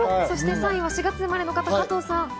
３位は４月生まれの方、加藤さん。